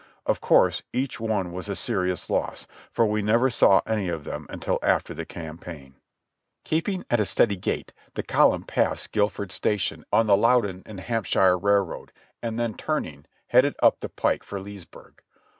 Of course each one was a serious loss, for we never saw any of them until after the campaign. Keeping at a steady gait the column passed Guilford Station INTO MARYLAND 269 on the Loudoun and Hampshire Railroad, and then, turning, headed up the pike for Leesburg.